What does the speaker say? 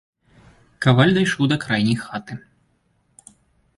Каваль дайшоў да крайняй хаты.